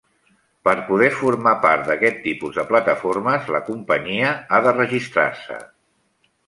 Per poder formar part d'aquest tipus de plataformes, la companyia ha de registrar-se.